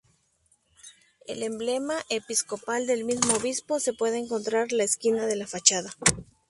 El emblema episcopal del mismo obispo se puede encontrar la esquina de la fachada.